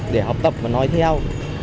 để học tập và nói theo